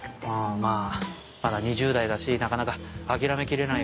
まぁまだ２０代だしなかなか諦めきれないよな。